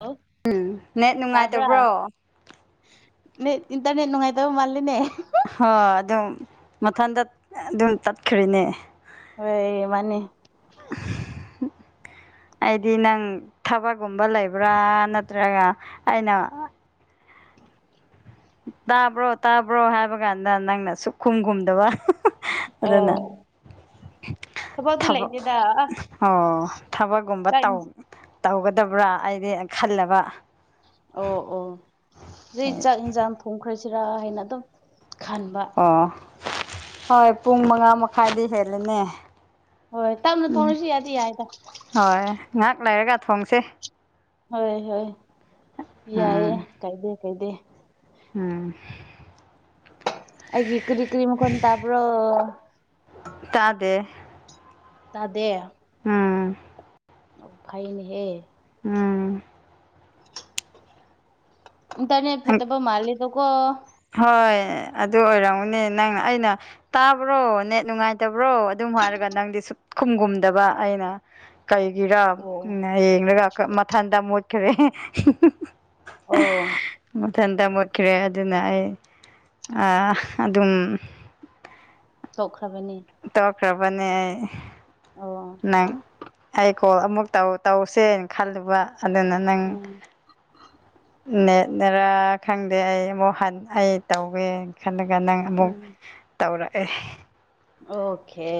ꯍꯂ ꯎꯝ ꯅꯦꯠ ꯇꯥꯕ꯭ꯔꯥ ꯅꯨꯡꯉꯥꯏꯇꯕ꯭ꯔꯣ ꯅꯠ ꯏꯟꯇꯔꯅꯦꯠ ꯅꯨꯡꯉꯥꯏꯇꯕ ꯃꯥꯜꯂꯤꯦꯅꯦ ꯍꯣꯏ ꯑꯗꯨꯝ ꯃꯊꯟꯇ ꯑꯗꯨꯝ ꯆꯠꯈꯔꯤꯅꯦ ꯍ ꯃꯥꯅꯤ [inaudible] ꯑꯩꯗꯤ ꯅꯪ ꯊꯕꯛꯒꯨꯝꯕ ꯂꯩꯕ꯭ꯔꯥ ꯅꯠꯇ꯭ꯔꯒ ꯑꯩꯅ ꯇꯥꯕ꯭ꯔꯣ ꯇꯥꯕ꯭ꯔꯣ ꯍꯥꯏꯕ ꯀꯥꯟꯗ ꯅꯪꯅ ꯁꯨꯛ ꯈꯨꯝ ꯈꯨꯝꯗꯕ ꯑꯗꯨꯅ ꯑꯣ ꯊꯕꯛꯇꯤ ꯊꯕꯛ ꯂꯩꯇꯦꯗ ꯑꯣ ꯊꯕꯛꯒꯨꯝꯕ ꯆꯥꯛ ꯇꯧ ꯇꯧꯒꯗꯕ꯭ꯔꯥ ꯑꯩꯗꯤ ꯈꯜꯂꯕ ꯑꯣ ꯑꯣ ꯖꯤꯛ ꯆꯥꯛ ꯢꯟꯁꯥꯡ ꯊꯣꯡꯈ꯭ꯔꯁꯤꯔꯥ ꯍꯥꯏꯅ ꯑꯗꯨꯝ ꯈꯟꯕ ꯑꯣ ꯍꯣꯏ ꯄꯨꯡ ꯃꯉꯥ ꯃꯈꯥꯏꯗꯤ ꯍꯦꯜꯂꯦꯅꯦ ꯍꯣꯏ ꯇꯞꯅ ꯊꯣꯡꯅꯁꯨ ꯌꯥꯗꯤ ꯌꯥꯏꯗ ꯍꯣꯏ ꯉꯥꯏꯍꯥꯛ ꯂꯩꯔꯒ ꯊꯣꯡꯁꯦ ꯍꯣꯏ ꯍꯣꯏ ꯌꯥꯏꯑꯦ ꯎꯝ ꯀꯥꯏꯗꯦ ꯀꯥꯏꯗꯦ ꯎꯝ ꯑꯩꯒꯤ ꯀ꯭ꯔꯤ ꯀꯔꯤ ꯃꯈꯣꯟ ꯇꯥꯕ꯭ꯔꯣ ꯇꯥꯗ ꯇꯥꯗꯦ ꯎꯝ ꯑꯣ ꯐꯥꯏꯅꯦꯍꯦ ꯎꯝ ꯇꯟꯇꯔꯅꯦꯠ ꯐꯠꯇꯦꯕ ꯃꯥꯜꯂꯤꯗꯀꯣ ꯍꯣꯏ ꯑꯗꯨ ꯑꯣꯏꯔꯝꯃꯅꯤ ꯅꯪ ꯑꯩꯅ ꯇꯥꯕ꯭ꯔꯣ ꯅꯦꯠ ꯅꯨꯡꯉꯥꯏꯇꯕ꯭ꯔꯣ ꯑꯗꯨꯝ ꯍꯥꯏꯔꯒ ꯅꯪꯗꯤ ꯁꯨꯛ ꯈꯨꯝꯒꯨꯝꯗꯕ ꯑꯩꯅ ꯀꯩꯒꯤꯔꯥ ꯑꯣ ꯌꯦꯡꯂꯒ ꯃꯊꯟꯇ ꯃꯨꯠꯈꯔꯦ ꯑꯣ ꯃꯊꯟꯇ ꯃꯨꯠꯈ꯭ꯔꯦ ꯑꯗꯨꯅ ꯑꯩ ꯑꯗꯨꯝ ꯇꯣꯛꯈ꯭ꯔꯕꯅꯦ ꯇꯣꯛꯈ꯭ꯔꯕꯅꯦ ꯑꯩ ꯑꯣ ꯅꯪ ꯑꯩ ꯀꯣꯜ ꯑꯃꯨꯛ ꯇꯧ ꯇꯧꯁꯦꯅ ꯈꯜꯂꯨꯕ ꯑꯗꯨꯅ ꯅꯪ ꯎꯝ ꯅꯦꯠꯅꯔꯥ ꯈꯪꯗꯦ ꯑꯩ ꯑꯃꯨꯛ ꯍꯟ ꯑꯩ ꯇꯧꯋꯦ ꯈꯜꯂꯒ ꯅꯪ ꯑꯃꯨꯛ ꯎꯝ ꯇꯧꯔꯛꯑꯦ ꯑꯣꯈꯦ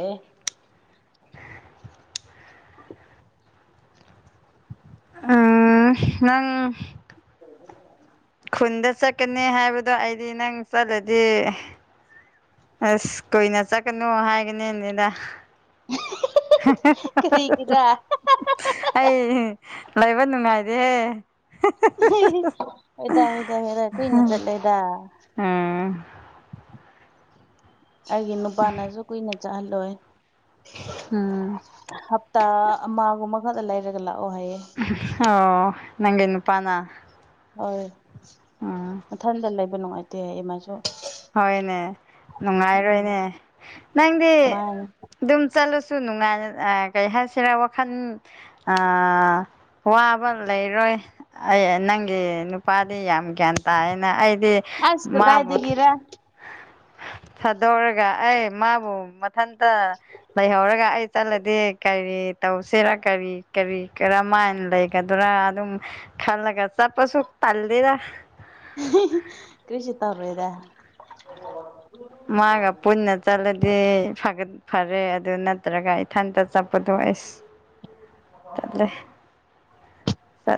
ꯎꯝ ꯅꯪ ꯈꯨꯟꯗ ꯆꯠꯀꯅꯤ ꯍꯥꯏꯕꯗꯣ ꯑꯩꯗꯤ ꯅꯪ ꯆꯠꯂꯗꯤ ꯑꯁ ꯀꯨꯏꯅ ꯆꯠꯀꯅꯨ ꯍꯥꯏꯒꯅꯤꯅꯦꯗ ꯀꯔꯤꯒꯤꯔꯥ ꯑꯩ ꯂꯩꯕ ꯅꯨꯡꯉꯥꯏꯗꯦꯍꯦ ꯍꯣꯏꯗꯥ ꯍꯣꯢꯗꯥ ꯍꯣꯢꯗꯥ ꯀꯨꯏꯅ ꯆꯠꯂꯦꯗ ꯎꯝ ꯑꯩꯒꯤ ꯅꯨꯄꯥꯅꯁꯨ ꯀꯨꯏꯅ ꯆꯥꯍꯜꯂꯣꯏ ꯎꯝ ꯍꯞꯇꯥ ꯑꯃꯒꯨꯝꯕ ꯈꯛꯇ ꯂꯩꯔꯒ ꯂꯥꯛꯑꯣ ꯍꯥꯏꯌꯦ ꯑꯣ ꯅꯪꯒꯤ ꯅꯨꯄꯥꯅ ꯍꯣꯏ ꯎꯝ ꯃꯊꯟꯇ ꯂꯩꯕ ꯅꯨꯡꯉꯥꯏꯇꯦ ꯍꯥꯢꯌꯦ ꯃꯥꯁꯨ ꯍꯣꯏꯅꯦ ꯎꯝ ꯅꯨꯡꯉꯥꯏꯔꯣꯏꯅꯦ ꯅꯪꯗꯤ ꯃꯥꯅꯦ ꯑꯗꯨꯝ ꯆꯠꯂꯨꯁꯨ ꯅꯨꯡꯉꯥꯏ ꯀꯩ ꯍꯥꯏꯁꯤꯔꯥ ꯋꯥꯈꯟ ꯑꯥ ꯋꯥꯕ ꯂꯩꯔꯣꯏ ꯑꯩ ꯅꯪꯒꯤ ꯅꯨꯄꯥꯗꯤ ꯌꯥꯝ ꯒ꯭ꯌꯥꯟ ꯇꯥꯌꯦꯅ ꯑꯩꯗꯤ ꯑꯁ ꯃꯥꯕꯨ ꯀꯗꯥꯏꯗꯒꯤꯔ ꯊꯥꯗꯣꯛꯔꯒ ꯑꯩ ꯃꯥꯕꯨ ꯃꯊꯟꯇ ꯂꯩꯍꯧꯔꯒ ꯑꯩ ꯆꯠꯂꯗꯤ ꯀꯔꯤ ꯇꯧꯁꯤꯔꯥ ꯀꯔꯤ ꯀꯔꯤ ꯀꯔꯝꯃꯥꯏꯅ ꯂꯩꯒꯗꯔꯥ ꯑꯗꯨꯝ ꯈꯥꯟꯂꯒ ꯆꯠꯄꯁꯨ ꯇꯜꯂꯤꯗ ꯀ꯭ꯔꯤꯁꯨ ꯇꯧꯔꯣꯏꯗ ꯃꯥꯒ ꯄꯨꯟꯅ ꯆꯠꯂꯗꯤ ꯐꯒ ꯐꯔꯦ ꯑꯗꯨ ꯅꯠꯇ꯭ꯔꯒ ꯏꯊꯟꯇ ꯆꯠꯄꯗꯣ ꯑꯩꯁ ꯆꯠꯂꯦ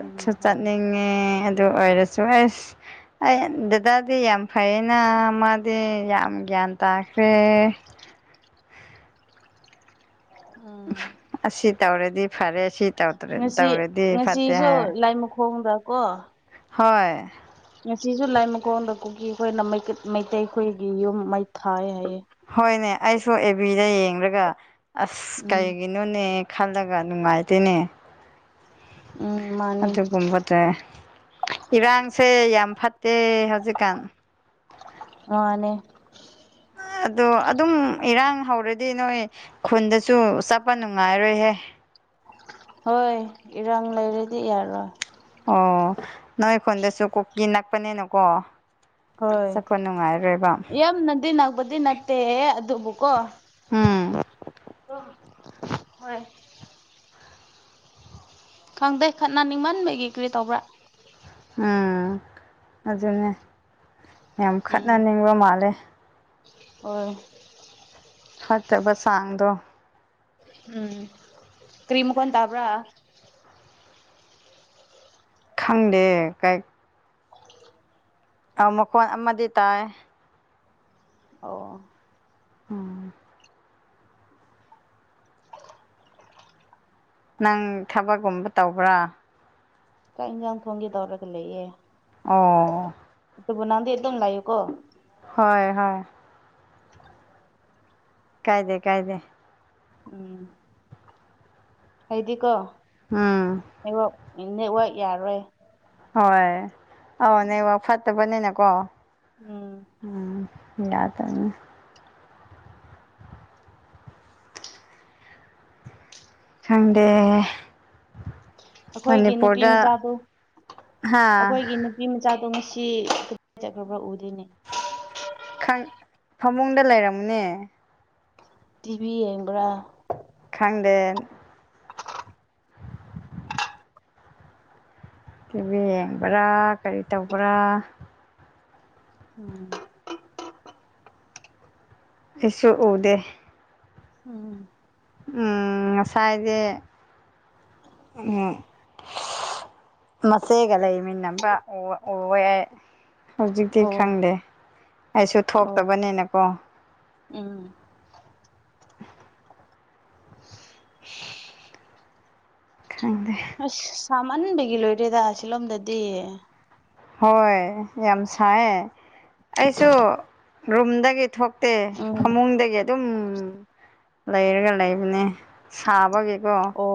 ꯎꯝ ꯍꯣꯏ ꯆꯠꯅꯤꯡꯉ ꯑꯦ ꯑꯗꯨ ꯑꯣꯏꯔꯁꯨ ꯑꯁ ꯑꯩ ꯗꯗꯥꯗꯤ ꯌꯥꯝ ꯐꯌꯦꯅ ꯃꯥꯗꯤ ꯌꯥꯝ ꯒ꯭ꯌꯥꯟ ꯇꯥꯈ꯭ꯔꯦ ꯎꯝ ꯑꯁꯤ ꯑꯁꯤ ꯇꯧꯔꯗꯤ ꯐꯔꯦ ꯁꯤ ꯇꯧꯗ꯭ꯔ ꯉꯁꯤ ꯇꯧꯔꯗꯤ ꯐꯠꯇꯦ ꯉꯁꯤꯁꯨ ꯍꯥꯏ ꯂꯥꯏ ꯃꯈꯣꯡꯗꯀꯣ ꯍꯣꯏ ꯉꯁꯤꯁꯨ ꯂꯥꯏꯃꯈꯣꯡꯗ ꯀꯨꯀꯤ ꯑꯩꯈꯣꯏꯅꯩ ꯃꯩꯇꯩ ꯑꯩꯈꯣꯏꯒꯤ ꯌꯨꯝ ꯃꯩ ꯊꯥꯏ ꯍꯥꯏꯌꯦ ꯍꯣꯏꯅꯦ ꯑꯩꯁꯨ ꯑꯦꯕꯤꯗ ꯌꯦꯡꯂꯡꯒ ꯑꯁ ꯎꯝ ꯀꯩꯒꯤ ꯅꯣꯅꯦ ꯈꯜꯂꯒ ꯅꯨꯡꯉꯥꯏꯇꯦꯅꯦ ꯎꯝ ꯃꯥꯅꯦ ꯑꯗꯨꯒꯨꯝꯕ ꯏꯔꯥꯡꯁꯦ ꯌꯥꯝ ꯐꯠꯇꯦ ꯍꯧꯖꯤꯛꯀꯥꯟ ꯃꯥꯅꯦ ꯑꯗꯣ ꯑꯗꯨꯝ ꯏꯔꯥꯡ ꯍꯧꯔꯗꯤ ꯅꯣꯏ ꯈꯨꯟꯗꯁꯨ ꯆꯠꯄ ꯅꯨꯡꯉꯥꯏꯔꯣꯏꯍꯦ ꯍꯣꯏ ꯏꯔꯥꯡ ꯂꯩꯔꯗꯤ ꯌꯥꯔꯣꯏ ꯑꯣ ꯅꯣꯏ ꯈꯣꯟꯗꯁꯨ ꯀꯣꯀꯤ ꯅꯛꯄꯅꯤꯅꯀꯣ ꯍꯣꯏ ꯆꯠꯄ ꯅꯨꯡꯉꯥꯏꯔꯣꯏꯕ ꯌꯥꯝꯅꯗꯤ ꯅꯛꯄꯗꯤ ꯅꯠꯇꯦ ꯑꯗꯨꯕꯨꯀꯣ ꯎꯝ ꯑꯣ ꯍꯣꯏ ꯈꯪꯗꯦ ꯈꯠꯅ ꯅꯤꯡꯃꯟꯕꯒꯤ ꯀꯔꯤ ꯇꯧꯕ꯭ꯔꯥ ꯎꯝ ꯑꯗꯨꯅꯦ ꯌꯥꯝ ꯈꯠꯅꯅꯤꯡꯕ ꯃꯥꯜꯂꯦ ꯑꯣ ꯐꯠꯇꯕ ꯁꯥꯡꯗꯣ ꯎꯝ ꯀꯔꯤ ꯃꯀꯣꯟ ꯇꯥꯕ꯭ꯔꯥ ꯈꯪꯗꯦ ꯀꯥꯏ ꯃꯈꯣꯟ ꯑꯃꯗꯤ ꯇꯥꯏ ꯑꯣ ꯎꯝ ꯅꯪ ꯊꯕꯛꯒꯨꯝꯕ ꯇꯧꯕ꯭ꯔꯥ ꯆꯥꯛ ꯌꯦꯟꯁꯥꯡ ꯊꯣꯡꯒꯦ ꯇꯧꯔꯒ ꯂꯩꯌꯦ ꯑꯣ ꯑꯗꯨꯕꯨ ꯅꯪꯗꯤ ꯑꯗꯨꯝ ꯂꯩꯎꯀ‌ꯣ ꯍꯣꯏ ꯍꯣꯏ ꯀꯥꯏꯗꯦ ꯀꯥꯏꯗꯦ ꯎꯝ ꯍꯥꯏꯗꯤ ꯀꯣ ꯎꯝ ꯅꯋꯥꯛ ꯅꯦꯠꯋꯥꯛ ꯌꯥꯔꯣꯏ ꯍꯣꯏ ꯅ‌ꯦꯠꯋꯥꯛ ꯐꯠꯇꯕꯅꯤꯅꯀꯣ ꯎꯝ ꯎꯝ ꯌꯥꯗꯅꯦ ꯁꯪꯗꯦ ꯑꯩꯈꯣꯏꯒꯤ ꯅꯨꯄꯤ ꯃꯅꯤꯄꯨꯔꯗ ꯃꯆꯥꯗꯨ ꯍꯥꯥ ꯑꯩꯈꯣꯏꯒꯤ ꯅꯨꯄꯤ ꯃꯆꯥꯗꯣ ꯉꯁꯤ ꯀꯥꯏ ꯆꯠꯈ꯭ꯔꯕ꯭ꯔꯥ ꯎꯗ‌ꯦꯅꯦ ꯈꯪ ꯐꯃꯨꯡꯗ ꯂꯩꯔꯝꯃꯅꯦ ꯇꯤꯚꯤ ꯌꯦꯡꯕ꯭ꯔꯥ ꯈꯪꯗꯦ ꯇꯤꯚꯤ ꯌꯦꯡꯕ꯭ꯔꯥ ꯀꯔꯤ ꯇꯧꯕ꯭ꯔꯥ ꯎꯝ ꯑꯩꯁꯨ ꯎꯗꯦ ꯎꯝ ꯎ ꯉꯁꯥꯏꯗꯦ ꯃꯆꯦꯒ ꯂꯩꯃꯤꯟꯅꯕ ꯎꯔ ꯌꯥ ꯍꯧꯖꯤꯛꯇꯤ ꯑꯣ ꯈꯪꯗꯦ ꯑꯩꯁꯨ ꯑꯧ ꯊꯣꯛꯇꯕꯅꯤꯅꯀꯣ ꯎꯝ ꯈꯪꯗꯦ ꯑꯁ ꯁꯥꯝꯃꯟꯕꯒꯤ ꯂꯣꯏꯔꯦꯗ ꯁꯤꯂꯣꯝꯗꯗꯤ ꯍꯣꯏ ꯌꯥꯝ ꯁꯥꯏ ꯑꯩꯁꯨ ꯔꯨꯝꯗꯒꯤ ꯊꯣꯛꯇꯦ ꯎꯝ ꯐꯃꯨꯡꯗꯒꯤ ꯑꯗꯨꯝ ꯂꯩꯔꯒ ꯂꯩꯕꯅꯦ ꯁꯥꯕꯒꯤꯀꯣ ꯑꯣ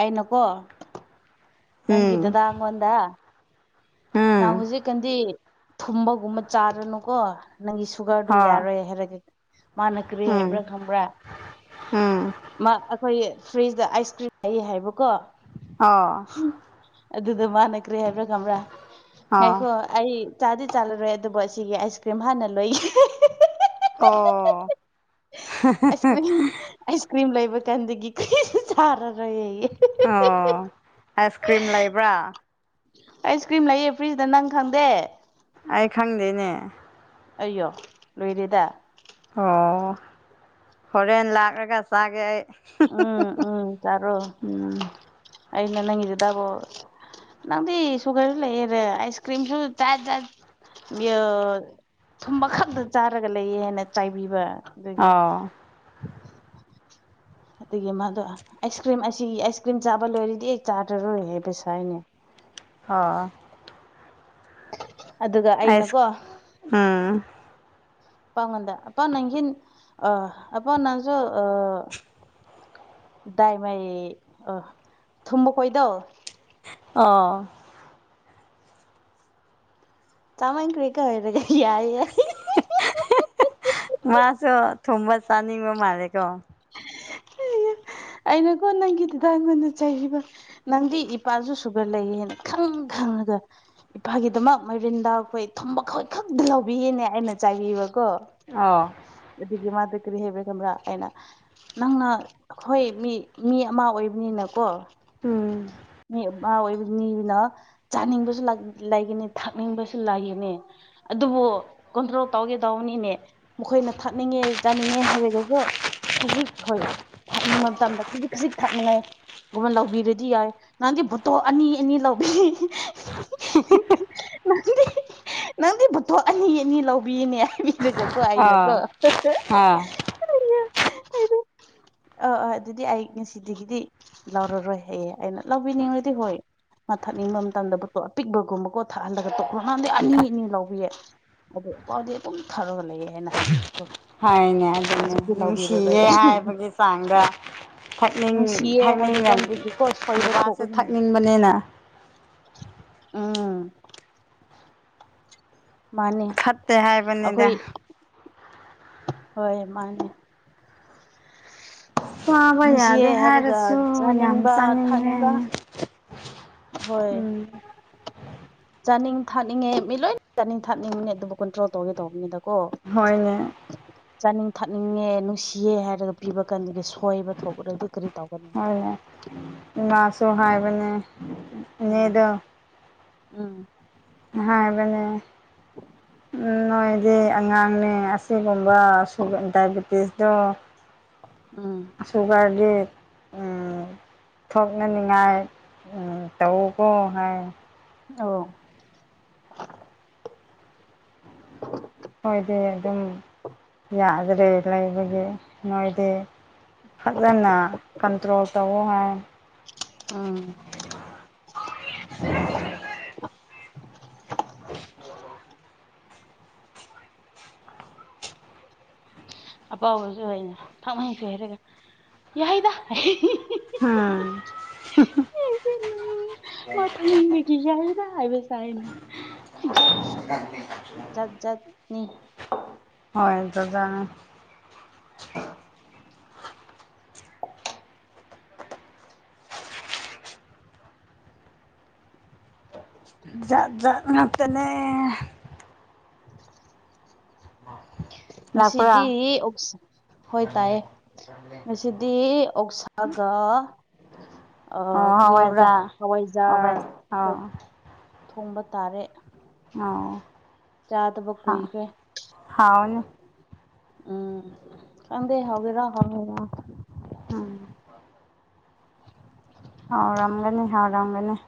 ꯑꯩꯅꯀꯣ ꯅꯪꯒꯤ ꯎꯝ ꯊꯥꯗꯥ ꯑꯉ‌ꯣꯟꯗ ꯎꯝ ꯅꯍꯪ ꯍꯧꯖꯤꯛꯀꯥꯟꯗꯤ ꯊꯨꯝꯕꯒꯨꯝꯕ ꯆꯥꯔꯅꯨꯀꯣ ꯅꯪꯒꯤ ꯁꯨꯒꯔꯗꯨ ꯍꯣꯏ ꯌꯥꯔꯣꯏ ꯍꯥꯏꯔꯒꯦ ꯃꯥꯅ ꯀ꯭ꯔꯦ ꯎꯝ ꯍꯥꯏꯕ꯭ꯔꯥ ꯈꯪꯕ꯭ꯔꯥ ꯎꯝ ꯃꯥ ꯑꯩꯈꯣꯏꯒꯤ ꯐ꯭ꯔꯤꯖꯇ ꯑꯥꯏꯁ ꯀ꯭ꯔꯤꯝ ꯂꯩ ꯍꯥꯏꯕꯀꯣ ꯑ ꯑꯗꯨꯗ ꯃꯥꯟꯅ ꯀ꯭ꯔꯤ ꯍꯥꯏꯕ꯭ꯔꯥ ꯈꯪ꯭ꯕꯔꯥ ꯑꯣ ꯉꯥꯏꯈꯣ ꯑꯩ ꯆꯥꯗꯤ ꯆꯥꯂꯔꯣꯏ ꯑꯗꯨꯕꯨ ꯑꯁꯤꯒꯤ ꯑꯥꯏꯁ ꯀ꯭ꯔꯤꯝ ꯍꯥꯟꯅ ꯂꯣꯏ [unintelligible] ꯑꯣ ꯑꯥꯏꯁ ꯀ꯭ꯔꯤꯝ ꯑꯥꯏꯁ ꯀ꯭ꯔꯤꯝ ꯂꯩꯕ ꯀꯥꯟꯗꯒꯤ ꯀꯨꯏ ꯁꯥꯔꯔꯣꯏꯌꯦ ꯑꯣ ꯑꯥꯏꯁꯀ꯭ꯔꯤꯝ ꯂꯩꯕ꯭ꯔꯥ ꯑꯥꯏꯁ ꯀ꯭ꯔꯤꯝ ꯂꯩꯌꯦ ꯐ꯭ꯔꯤꯖꯇ ꯅꯪ ꯈꯪꯗꯦ ꯑꯩ ꯈꯪꯗꯦꯅꯦ ꯑꯩꯌꯣ ꯂꯣꯏꯔꯦꯗ ꯑꯣ ꯍꯣꯔꯦꯟ ꯂꯥꯛꯂꯒ ꯆꯥꯒꯦ ꯑꯩ ꯎꯝ ꯎꯝ ꯆꯥꯔꯣ ꯎꯝ ꯑꯩꯅ ꯅꯪꯒꯤꯁꯤꯗꯕꯣ ꯅꯪꯗꯤ ꯁꯨꯒꯔꯁꯨ ꯂꯩꯔꯦ ꯑꯥꯏꯁ ꯀ꯭ꯔꯤꯝꯁꯨ ꯇꯥꯠ ꯊꯨꯝꯕ ꯈꯛꯇ ꯆꯥꯔꯒ ꯂꯩꯌꯦ ꯍꯥꯏꯅ ꯆꯥꯏꯕꯤꯕ ꯑꯗꯨꯒꯤ ꯑꯧ ꯑꯗꯒꯤ ꯃꯥꯗꯣ ꯑꯥꯏꯁ ꯀ꯭ꯔꯤꯝ ꯑꯁꯤꯒꯤ ꯑꯥꯏꯁ ꯀ꯭ꯔꯤꯝ ꯆꯥꯕ ꯂꯣꯏꯔꯗꯤ ꯑꯩ ꯆꯥꯗꯔꯣꯏ ꯍꯥꯏꯕ ꯁꯥꯏꯅꯦ ꯍꯥꯥ ꯑꯗꯨꯒ ꯑꯥꯏꯁ ꯑꯩꯅꯀꯣ ꯎꯝ ꯄꯥꯎꯉꯟꯗ ꯑꯄꯥ ꯅꯪꯒꯤ ꯑ ꯑꯄꯥ ꯅꯪꯁꯨ ꯑ ꯗꯥꯏ ꯃꯥꯏ ꯑ ꯊꯨꯝꯕ ꯈꯣꯏꯗꯧ ꯑꯥ [unintelligible] ꯌꯥꯏ ꯃꯥꯁꯨ ꯊꯨꯝꯕ ꯆꯥꯅꯤꯡꯕ ꯃꯥꯜꯂꯦꯀꯣ ꯑꯩꯅꯀꯣ ꯅꯪꯒꯤꯗꯨꯗꯉꯣꯟꯅ ꯆꯩꯈꯤꯕ ꯅꯪꯗꯤ ꯏꯄꯥꯁꯨ ꯁꯨꯒ ꯂꯩꯌꯦꯅ ꯈꯪ ꯈꯪꯉꯒ ꯏꯐꯥꯒꯤꯗꯃꯛ ꯃꯔꯤꯟꯗꯥ ꯑꯩꯈꯣꯏ ꯊꯨꯝꯕꯈꯣꯏ ꯈꯛꯇ ꯂꯧꯕꯤꯌꯦꯅꯦ ꯑꯩꯅ ꯆꯥꯏꯕꯤꯕꯀꯣ ꯑ ꯑꯗꯨꯗꯒꯤ ꯃꯥꯗ ꯀꯔꯤ ꯍꯦꯕ ꯑꯃ꯭ꯔꯥ ꯑꯩꯅ ꯅꯪꯅ ꯑꯩꯈꯣꯏ ꯃꯤ ꯃꯤ ꯑꯃ ꯑꯣꯏꯕꯅꯤꯅꯀꯣ ꯎꯝ ꯃꯥꯥ ꯑꯣꯏꯕꯅꯤꯅ ꯆꯥꯅꯤꯡꯕꯁꯨ ꯂꯩꯒꯅꯤ ꯊꯥꯛꯅꯤꯡꯕꯁꯨ ꯂꯩꯒꯅꯤ ꯑꯗꯨꯕꯨ ꯀꯣꯟꯇ꯭ꯔꯣꯜ ꯇꯧꯒꯦꯗꯧꯕꯅꯤꯅꯦ ꯃꯈꯣꯏꯅ ꯊꯥꯛꯅꯤꯡꯉꯦ ꯆꯥꯅꯤꯡꯉꯦ ꯍꯥꯏꯔꯒꯁꯨ ꯈꯖꯤꯛ ꯍꯣꯏ ꯊꯥꯛꯅꯤꯡꯕ ꯃꯇꯝꯗ ꯈꯖꯤꯛ ꯈꯖꯤꯛ ꯊꯥꯛꯅꯤꯡꯉꯥꯏꯒꯨꯝꯕ ꯂꯧꯕꯤꯔꯗꯤ ꯌꯥꯏ ꯅꯪꯒꯤ ꯕꯨꯠꯇꯣ ꯑꯅꯤ ꯑꯅꯤ ꯂꯧꯕꯒ ꯅꯪꯗꯤ ꯅꯪꯗꯤ ꯄꯣꯊꯣꯛ ꯑꯅꯤ ꯑꯅꯤ ꯂꯧꯕꯤꯅꯦ ꯗꯨꯒꯥꯀꯣ ꯑꯩꯅꯥꯀꯣ ꯑꯥ [inaudible] ꯑ ꯑ ꯑꯗꯨꯗꯤ ꯑꯩ ꯉꯁꯤꯗꯒꯤꯗꯤ ꯂꯧꯔꯔꯣꯏ ꯍꯌꯦ ꯑꯩꯅ ꯂꯧꯕꯤꯅꯤꯡꯉꯗꯤ ꯍꯣꯏ ꯃꯊꯛꯅꯤꯡꯕ ꯃꯇꯝꯗꯕꯨ ꯑꯄꯤꯛꯕꯒꯨꯝꯕ ꯀꯣ ꯊꯛꯍꯜꯂꯒ ꯇꯣꯛꯥꯟꯗꯤ ꯑꯅꯤ ꯑꯅꯤ ꯂꯧꯕꯤꯌꯦ ꯑꯗꯨꯣ ꯄꯥꯎꯗꯤ ꯑꯗꯨꯝ ꯊꯥꯔꯒ ꯂꯩꯑꯌꯦ ꯍꯥꯏꯅ ꯍꯥꯏ ꯍꯥꯏꯅꯦ ꯑꯗꯨꯅꯤ ꯂꯧꯕꯤꯔꯔꯣꯏ ꯅꯨꯡꯁꯤꯌꯦ ꯍꯥꯏꯕꯒꯤ ꯆꯥꯡꯗ ꯊꯛꯅꯤꯡ ꯅꯨꯡꯁꯤꯌꯦ ꯊꯛꯅꯤꯡ ꯍꯥꯏꯕ ꯀꯥꯟꯗꯒꯤꯀꯣ ꯁꯣꯏꯕ ꯅꯨꯄꯥꯁꯦ ꯊꯣꯛꯀꯅꯤ ꯊꯛꯅꯤꯡꯕꯅꯤꯅ ꯎꯝ ꯃꯥꯅꯦ ꯐꯠꯇꯦ ꯍꯥꯏꯕꯅꯤꯗ ꯑꯩꯈꯣꯏ ꯍꯣꯏ ꯃꯥꯅꯦ ꯋꯥꯕ ꯅꯨꯡꯁꯤꯌꯦ ꯌꯥꯗꯦ ꯍꯥꯏꯔꯒ ꯍꯥꯏꯔꯁꯨ ꯌꯥꯝ ꯆꯥꯅꯤꯡꯕ ꯆꯥꯅꯤꯡꯉꯦ ꯊꯛꯅꯤꯡꯕ ꯍꯣꯏ ꯎꯝ ꯆꯥꯅꯤꯡ ꯊꯥꯅꯤꯡꯉꯦ ꯃꯤ ꯂꯣꯏꯅ ꯆꯥꯅꯤꯡ ꯊꯥꯅꯤꯡꯉꯅꯦ ꯑꯗꯨꯕꯨ ꯀꯨꯟꯇ꯭ꯔꯣꯜ ꯇꯧꯒꯦ ꯇꯧꯕꯅꯤꯗ ꯀꯣ ꯍꯣꯏꯅꯦ ꯆꯥꯅꯤꯡ ꯊꯛꯅꯤꯡꯉꯦ ꯅꯨꯡꯁꯤꯌꯦ ꯍꯥꯏꯔꯒ ꯄꯤꯕ ꯀꯥꯟꯗꯒꯤ ꯁꯣꯏꯕ ꯊꯣꯛꯄꯗꯤ ꯀꯔꯤ ꯇꯧꯒꯅꯤ ꯍꯣꯏ ꯍꯣꯏ ꯉꯥꯁꯨ ꯍꯥꯏꯕꯅꯦ ꯎꯝ ꯏꯅꯦꯗꯣ ꯎꯝ ꯍꯥꯏꯕꯅꯦ ꯎꯝ ꯅꯣꯏ ꯁꯤ ꯑꯉꯥꯡꯅꯦ ꯑꯁꯤꯒꯨꯝꯕꯨ ꯗꯥꯏꯕꯤꯇꯤꯁꯇꯣ ꯎꯝ ꯁꯨꯒꯔꯗꯤ ꯎꯝ ꯊꯣꯛꯅꯅꯤꯡꯉꯥꯏ ꯇꯧꯀꯣ ꯍꯥꯏ ꯑꯣ [inaudible] ꯈꯣꯏꯗꯤ ꯑꯗꯨꯝ ꯌꯥꯗ꯭ꯔꯦ ꯂꯩꯕꯒꯤ ꯅꯣꯏꯗꯤ? ꯐꯖꯅ ꯀꯟꯇ꯭ꯔꯣꯜ ꯇꯧ ꯋꯦ ꯍꯥꯏ ꯎꯝ [unintelligible] ꯑꯄꯥꯎꯕꯁꯨ ꯑꯣꯏꯅ ꯊꯛꯅꯩꯁꯦ ꯍꯥꯏꯔꯒ ꯌꯥꯍꯩꯗ ꯎꯝ ꯃꯥ ꯊꯝꯅꯤꯡꯕꯒꯤ ꯌꯥꯏꯗ ꯍꯥꯏꯕ ꯁꯥꯏ꯫ [unintelligible] ꯖꯥꯠ- ꯖꯥꯠꯅꯤ [unintelligible] ꯖꯥꯠ - ꯖꯥꯠ ꯉꯥꯛꯇꯅꯦ꯫ ꯂꯥꯛꯄ꯭ꯔꯥ ꯉꯁꯤꯗꯤ ꯑꯣꯛꯁ ꯍꯣꯏ ꯇꯥꯌꯦ꯫ ꯉꯁꯤꯗꯤ ꯑꯣꯛꯁꯥꯒ ꯑ ꯑꯣ ꯀꯔꯤ ꯍꯥꯏꯕ꯭ꯔꯥ ꯍꯋꯥꯏꯖꯥꯔ ꯍꯋꯥꯏꯖꯥꯔ ꯍꯋꯥꯏꯖꯥ ꯑꯣ ꯊꯣꯡꯕ ꯇꯥꯔꯦ ꯑ ꯆꯥꯗꯕ ꯀꯨꯏꯈ꯭ꯔꯦ ꯍꯥꯎꯅꯤ ꯎꯝ ꯈꯪꯗꯦ ꯍꯧꯖꯤꯛꯀꯟ [unintelligible] ꯎꯝ [inaudible] ꯍꯥꯎꯔꯝꯒꯅꯤ ꯍꯥꯎꯔꯝꯒꯅꯤ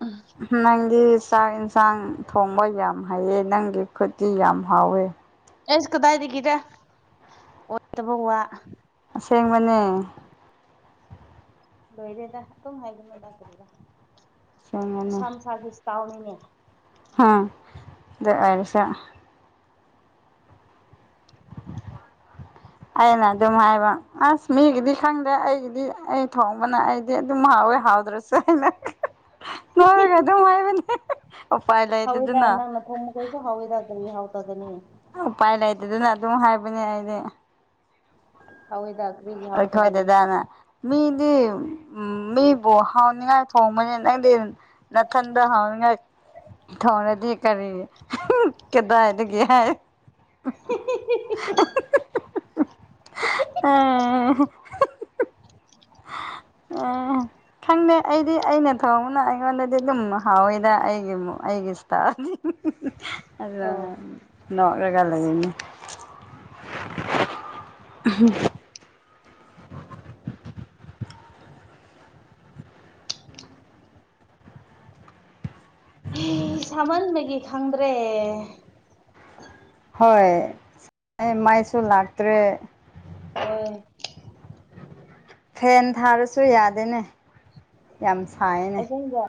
ꯎꯝ ꯅꯪꯗꯤ ꯆꯥꯛ ꯏꯟꯁꯥꯡ ꯊꯣꯡꯕ ꯌꯥꯝ ꯍꯩꯌꯦ ꯅꯪꯒꯤ ꯈꯨꯠꯇꯤ ꯌꯥꯝ ꯍꯥꯎꯋꯦ꯫ ꯑꯩꯁ ꯀꯗꯥꯏꯗꯒꯤꯔ ꯑꯣꯏꯗꯕ ꯋꯥ ꯑꯁꯦꯡꯕꯅꯦ ꯂꯣꯏꯔꯦꯗ ꯑꯗꯨꯝ ꯍꯥꯏꯒꯅꯨꯗ ꯑꯁꯦꯡꯕꯅꯦ ꯃꯁꯥ ꯃꯁꯥꯒꯤ ꯏꯁꯇꯥꯏꯜꯅꯤꯅꯦ꯫ ꯎꯝ ꯍꯥꯏꯔꯤꯁ ꯑꯩꯅ ꯑꯗꯨꯝ ꯍꯥꯏꯕ ꯑꯁ ꯃꯤꯒꯤꯗꯤ ꯈꯪꯗ꯭ꯔꯦ ꯑꯩꯒꯤꯗꯤ ꯑꯩ ꯊꯣꯡꯕꯅ ꯑꯩꯗꯤ ꯑꯗꯨꯝ ꯍꯥꯎꯋꯦ ꯍꯥꯎꯗ꯭ꯔꯁꯨ ꯀ ꯑꯗꯨ ꯍꯥꯏꯥꯏꯕꯅꯦ ꯎꯥꯏ ꯂꯩ ꯍꯥꯎꯋꯦꯗ ꯅꯪꯅ ꯊꯣꯡ ꯃꯈꯈꯣꯏꯁꯨ ꯍꯥꯎꯋꯦꯗ ꯗꯔꯤ ꯍꯥꯎ ꯇꯒꯅꯤ ꯎꯄꯥꯏ ꯂꯩꯇꯦꯗꯅ ꯑꯗꯨꯝ ꯍꯥꯏꯕꯅꯦ ꯑꯩꯗꯤ ꯍꯥꯎꯣꯏꯗ ꯀꯔꯤ ꯍꯥꯎ ꯑꯩꯈꯣꯏ ꯇꯗꯅꯤ ꯗꯗꯥꯅ ꯃꯤꯗꯤ ꯎ ꯃꯤꯕꯨ ꯍꯥꯎꯅꯤꯉꯥꯏ ꯊꯣꯡꯕꯅꯤ ꯅꯪꯗꯤ ꯅ ꯊꯟꯗ ꯍ ꯏ ꯊꯧꯔꯗꯤ ꯀꯔꯤ ꯀꯗꯥꯗꯤꯒ [unintelligible] ꯑ ꯑ ꯈꯪꯗꯦ ꯑꯩꯗꯤ ꯑꯩꯅ ꯊꯣꯡꯅ ꯑꯩꯉꯣꯟꯗꯗꯤ ꯑꯗꯨꯝ ꯍꯥꯎꯋꯤꯗ ꯑꯩꯒꯤ ꯑꯩꯒꯤ ꯏꯁꯇꯥꯏꯜ ꯑꯗꯨ ꯑꯣ ꯅꯣꯛꯔꯒꯥ ꯂꯩꯕꯅꯦ ꯎꯝ [inaudible] ꯑꯩ ꯁꯃꯟ ꯕꯒꯤ ꯈꯪꯗ꯭ꯔꯦ꯫ ꯍꯣꯏ ꯃꯩꯁꯨ ꯂꯥꯛꯇ꯭ꯔꯦ ꯑꯣ ꯐꯦꯟ ꯊꯥꯔꯁꯨ ꯌꯥꯗꯦꯅꯦ ꯌꯥꯝ ꯁꯥꯏꯅꯦ ꯑꯁꯦꯡꯕ